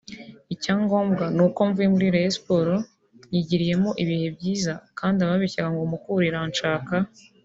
Icyangombwa ni uko mvuye muri Rayon Sports nyigiriyemo ibihe byiza kandi ababeshaya ngo Mukura iranshaka